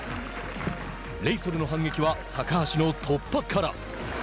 レイソルの反撃は高橋の突破から。